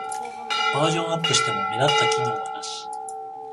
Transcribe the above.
バージョンアップしても目立った機能はなし